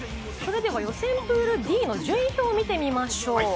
予選プールＤの順位表を見てみましょう。